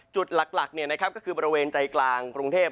จุดหลักก็คือบริเวณใจกลางกรุงเทพ